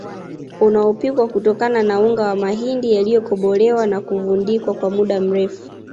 unaopikwa kutokana na unga wa mahindi yaliyokobolewa na kuvundikwa kwa muda mrefu